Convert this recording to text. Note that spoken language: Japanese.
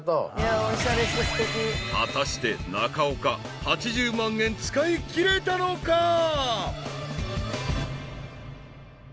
［果たして中岡８０万円使いきれたのか？］